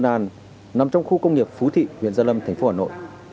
nàn nằm trong khu công nghiệp phú thị huyện gia lâm thành phố hà nội